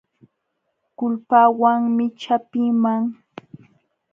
Kulpawanmi chapiiman.